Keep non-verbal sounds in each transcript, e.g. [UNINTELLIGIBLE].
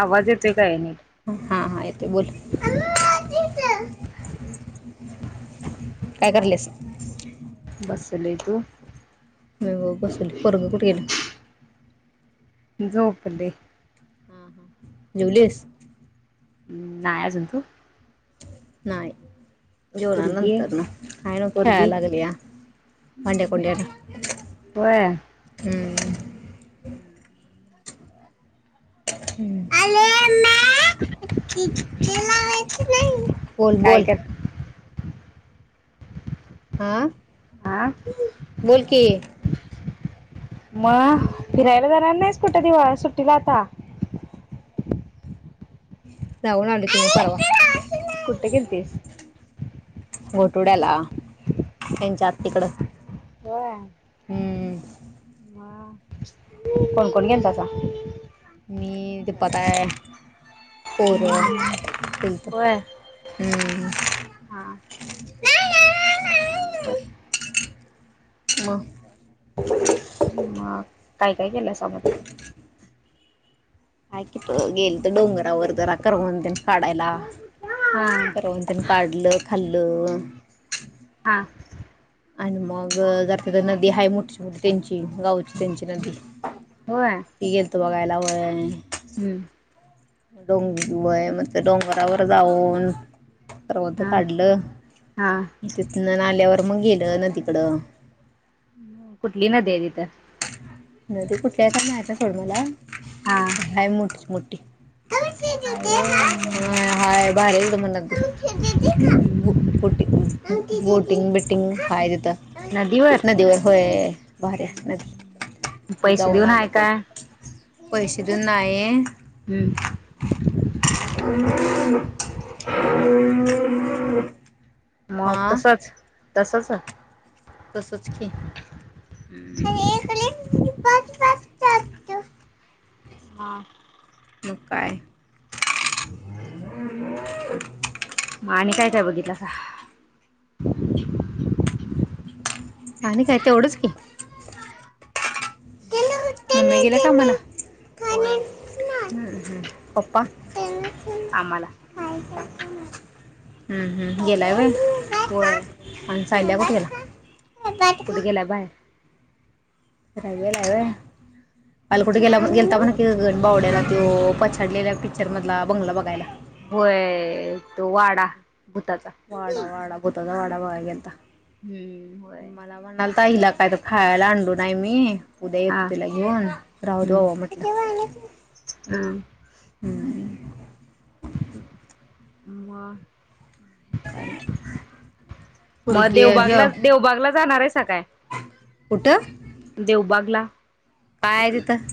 आवाज येतोय काय नीट तोय बोल काय कराल्यास बसलोय तू हो बसलोय पोरगं कुठ गेलं? झोपलय हा हा जेवलीस नाय अजून तु नाय जेवणार पोरगी आहे नंतरन हाय नव खेळाय पोरगी लागलिया भांड्याकुंड्यान होय हम्म हम्म आले बोल काय बोल कर हा. आं बोल की मग फिरायला जाणार नाहीस कुठं दिव सुट्टीला आता जाऊन आलो कुठे गेलतीस [UNINTELLIGIBLE] घोटवड्याला ह्यांच्या आत्तीकडं होय. हम्म. [INAUDIBLE] कोण कोण गेलतासा मी दिपाताइं पोरं गेलतो होय हम्म [INAUDIBLE] हा बर म म काय काय केलयसा म ते हाय की तो गेलतो डोंगर वर जरा करवंद तेन काढायला, हा करवंद तेन काढलं खाल्ल ल हा. आणि मग जर तिथ नदी हाय मोठीची मोठी त्यांची गावची त्यांची नदी होय ती गेलतो बघायला. जावय हम्म. डोंग वय मस्त डोंगरावर जाऊन करवंद हा कढलं हा तिथंन आल्यावर मग गेलं नदीकडं कुठली नदी हाय तिथं नदी कुठली हा [UNINTELLIGIBLE] हाय मोठ मोठी [INAUDIBLE] अरे हा [UNINTELLIGIBLE] टिंग बिटिंग हाय तिथं. नदीवर होय भारी हाय नदी. तिथं पैसे जाऊन देऊन हाय आलं का? बघू पैसे देऊन नाही. हम्म. [UNINTELLIGIBLE] मग हा तसच. तसंच तसच की. हा. मग काय? [UNINTELLIGIBLE] आणि काय काय बघितलासा? आणि काय तेवढंच की. [UNINTELLIGIBLE] [UNINTELLIGIBLE] [UNINTELLIGIBLE] हम्म. होय पप्पा. हम्म कामाला हम्म गेलाय वय. होय. [UNINTELLIGIBLE] कुठे गेला बाहेर. गेलाय होय काल कुठ गेला गेलता [UNINTELLIGIBLE] तो पछाडलेल्या पिक्चर मधला बंगला बघायला. वय तो वाडा भूताचा वाडा वाडा भूतचा वाड बगाय गेलता. हम्म होय. ताईला काय तर खायला आणलो नाही मी उद्या हा येतो तीला घेऊन राहुदे हम्म भावा म्हटलं. हम्म. [UNINTELLIGIBLE] म मग पोरगी ह्य देवबागला देवबागला जाणार आहे. हा काय. उठं? देवबागला. काय तिथं?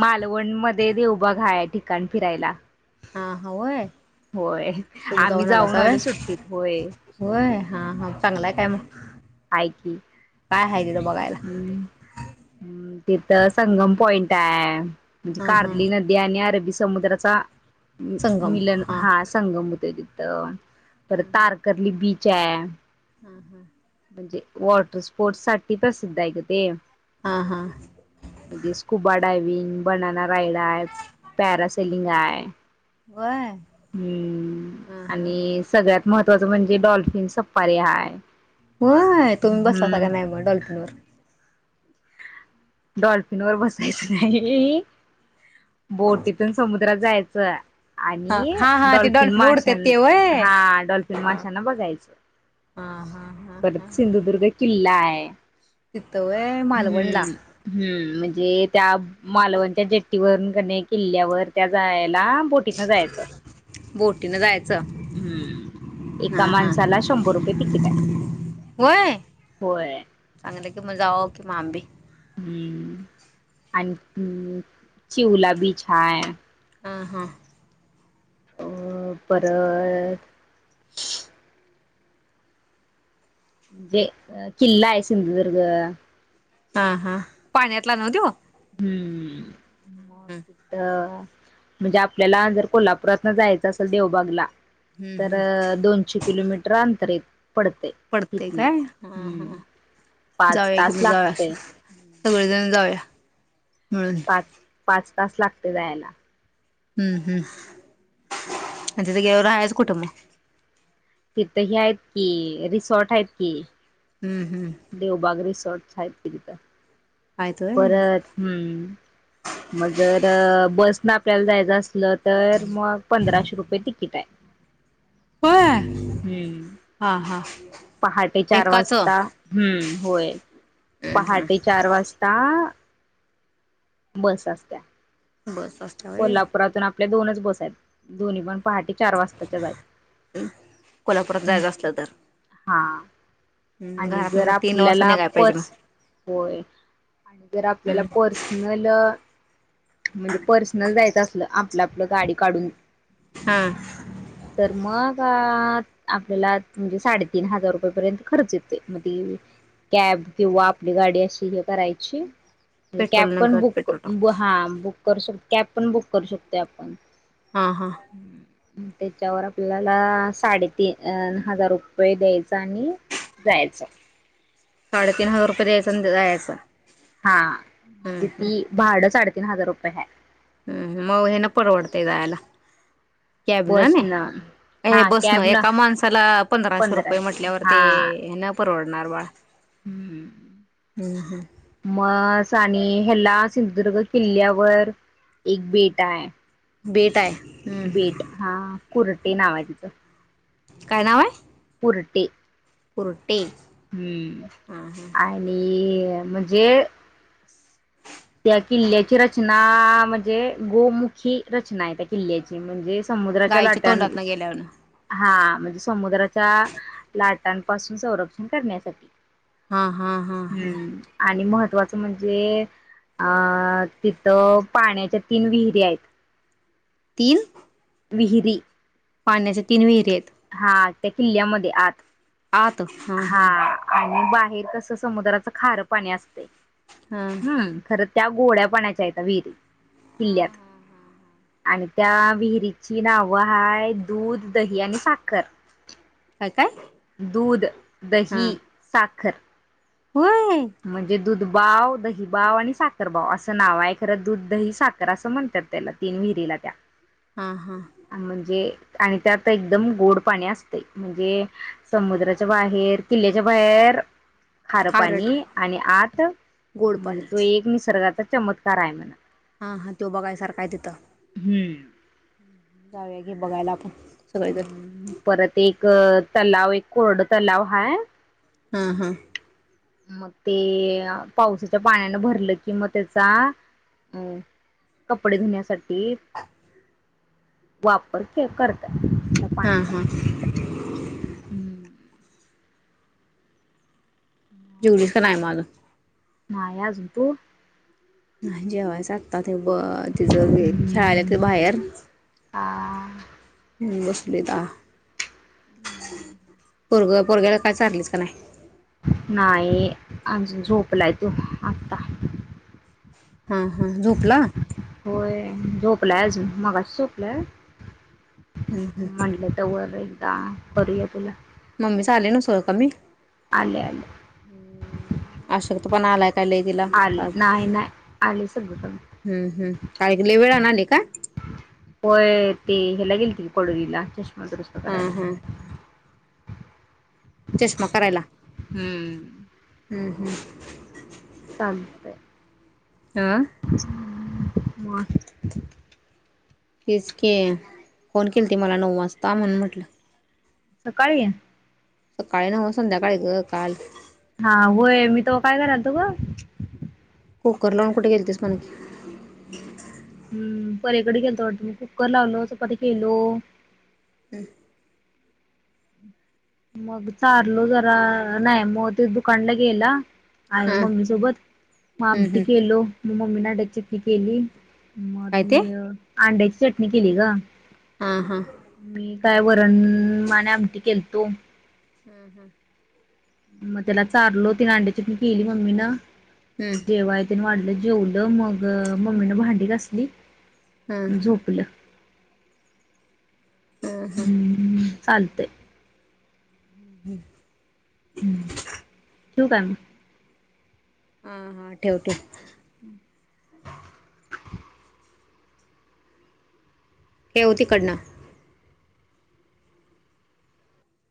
मालवणमध्ये देवबाघ हाय ठिकाण फिरायला. हा हा होय होय तुम्ही आम्ही जाऊन आलासा वय आलो सुट्टीत होय. होय हा हा चांगलाय काय मग? हाय की काय आहे तिथं बघायला हम् हम् तिथं संगम पॉइंट टाय. म्हणजे हा हा कार्ली नदी आणि अरबी समुद्राचा संगम मिलन, हा हां संगम होतय तित. [INAUDIBLE] पर तारकली बी च्याया हां-हां. म्हणजे, वॉटर स्पोर्टस साठी प्रसिद्ध हाय गं ते. हा हा म्हणजे स्कूबाट डायविंग, बनना राईड आय, पॅरा सिलिंग आय. वय हम्म, हा हा आणि सगळ्यात महत् त ज म्हणजे डॉल्फिन सफारी हाय. होय, तुम्ही बसला होता हम्म का नाही म डॉल्फिनवर? डॉल्फिनवर बसायचं नाही. बोटीथून समुद्रात जाय [UNINTELLIGIBLE] हा आणि, हा हा ते डॉल्फिन उडते माशान् ते वय हां डॉल्फिन माशांना बघायचं. हा हा हा परत सिंधुदुर्ग एक् किल्ला आय. तितं वय मालवणला. जे त्याब् मालवनच्या जेट्टीवरून कनी किल्ल्यावर त्या जाय लांब बोटीतनं जायाचं. बोटीनं जायचं हम्म्म एका हा हा माणसाला शंभर रुपये तिकिट आय, होय होय. चांगलं कि मग जावा कि मग आंबे हम्म आणि् अं चिवला बीछ हाय. आं हां. अं परत म्जे किल्ला आय सिंधुदुर्ग. हां-हां पाण्यातला नव त्यो? हम्-हम् म हम्म तितं म्हणजे आपल्याला जर कोल्हापुरातनं जायचं असेल देवबागला. हम्म तर हम्म दोनशे किलोमीटर अंतरेत. पडतंय काय? हां हां पाच जाऊया तास कि जाव्या, लागतय सगळेजण जाऊया. मिळून पाच पाच तास लागते जायला हम्म हम्म आणि तिथं गेव आहेच कुटुंब तिथही आहेत कि रिसॉर्ट आहेत कि हम्म हम्म ो छाय तिक तर आहेत होय. परत हम् मग जर बस ना आपल्याला जायचं असल तर मग पंधराशे रुपये तिकीट आहे होय. हम् हा हा पहाटे चार एकाच वाजता हम्म होय पहाटे चार वाजता ह बस असत बस असस्त्या वई आपल्या दोनच बस दोन्ही पण पहाटे चार वाजताच्या जाय कोल्हापुरात जायचं असलं तर हा आणि घरात जर मग तीन वाजता आपल्याला निघाय पाहिजे पर्स होय आणि जर आपल्याला मग पर्सनल म्हणजे पर्सनल जायचं असलं आपलं गाडी काढून हा तर म आपल्याला म्हणजे साडेतीीन हजार रुपये पर्यंत खर्च म कॅब किंवा आपली गाडी अशी हे करायची कॅब पेट्रोल न पण गट बुक पेट्रोल टाक हा बुक ू शकतो कॅब पण बुक करू शकतो आपण हा हा त्याच्यावर आपल्याला साडेतीन हजार रुपये द्यायचा आणि जायचं साडेतीन हजार रुपये द्यायचां द्यायचं हा म्हणजे ती भाडचढते. तीन हजार रुपयेै. हम्म मऊ हे ना परवडतेय जायला. कॅब न न हे हा बसन कॅब न एका माणसाला पंधराशे रुपये म्हटल्यावर ते ना. परवडणार बाळ हम्म हम्म हम्म म. आणि ह्याला सिंधुदुर्ग किल्ल्यावर एक बेट आहे. बेटा आहेय. बीट हा. कुर्टी नाव आहे तिचं. काय नाव आहे? कुर्टी. कुरटे हम्म आणि म्हणजे- - त्या किल्ल्याची रचना म्हणजे गोमुखी रचना आहे. त्या किल्ल्याची म्हणजे समुद्राच्या गायच्या लाट तोंडात न गेल्यावर हा. म्हणजे समुद्राच्या लाटांपासून संरक्षण करण्यासाठी. हा हा हा हा हम्म आणि मह महत्वाचं म्हणजे अं तिथं पाण्याच्या तीन विहिरी आहेत. तीन. विहिरी. पाण्याच्या तीन विहिरी आहेत. हा त्या किल्ल्यामध्ये आत. आ तो हा हा. आणि बाहेर कस समुद्राच खार पाणी असते. हा हम्म खरंच. त्या गोड्या पाण्याच्या आहेता विहिरी किल्ल्यात आणि त्या विहिरीची नावं ह दूध, दही आणि साखर. अच्छा. दूध, दही, साखर. होय. दुध बाव, दही बाव आणि साखर बाव असं नाव आहे खरं दूध, दही 'साखर असं म्हणतात त्याला तीन विहिरीला त्या. हा हा म्हणजे आणि त्यात एकदम गोड पाणी असतय. म्हणजे समुद्राच्या बाहेर किल्ल्याच्या बाहेर खारं खारट पाणी आत गोड म्हणजे पाणी त एक निसर्गाचा चमत्कार आहे म्हणा. हा हा त्यो बघायसारखा हाय तिथं. हम्म जाऊया की बघायला आपण सगळेजण हम्म परत एक अ तलाव एक कोरड तलाव हाय हा हा मग ते पावसाच्या पाण्यानं भरलं कि मग त्याचा अ कपडे धुण्यासाठी [UNINTELLIGIBLE] वापर करतात. त्या हा पाण्याचा हा हूं जेवलीस का नाय म अजून नाय अजून तू न्हाय जेवायचं आत्ताच ते ब तिज हे खेळाला ते बाहेर आ आ बसलीत आ पोरग पोरग्याला काय चारलीस का नाय नाही अजून झोपलाय तो आत्ता हा हा झोपला होय. झोपला अजून मगासोच [UNINTELLIGIBLE] म्हणलं त वर हेनं [UNINTELLIGIBLE] पडूया बोला मम्मी चा आल न सोय कमी आलंय आलंय तु बनालाय का लय तिला का आले सगळं हम् हम् [UNINTELLIGIBLE] वेळानं आले का हेला गेलती कॉडोलीला म दुरुस्त हा करायला हा चष्मा करायला हम्म हूं [UNINTELLIGIBLE] [INAUDIBLE] हाआ म तेच के फोन केलीत मला नऊ वाजता म्हणून म्हटलं सकाळी सकाळी नव्ह संध्याकाळी ग काल हा होय मी तवा काय करालतो ग कुकर लावून कुठे घेेततेस मन क हम्म पलीकडे गेल तो वाटतं मी कुकर लावलो, चपाती केेलो. हम्म मग चारलू जरा नाही, मग ते दुकानला गेला आहे हा मम्मी सोबत, मग हम्म आमटी हम्म केलो, मग मम्मी ना डेक् शिट्टी केली मग काय ते मी अंड्याची चटणी केली गं हा हा काय वरण आणि आमटी केलतो हम्म हं मग त्याला चारलो तीन अंड्या चटणी केली मम्मीनं हम्म जेवायतेन वाढ लो जेव लो मग, मम्मीन भांडी घासली. हा झोपलं हम्म हम्म चालतंय हम्म ठेवू काय म? हा हा ठेव ठेव. [INAUDIBLE] ठेव तीकडनं.